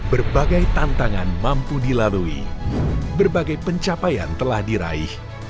berbagai tantangan mampu dilalui berbagai pencapaian telah diraih